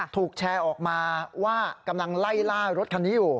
ถูกแชร์ออกมาว่ากำลังไล่ล่ารถคันนี้อยู่